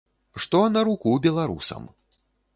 Што на руку беларусам.